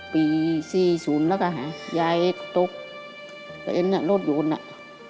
ปี๔๐แล้วก็ยายตกและเอ็นลดยนต์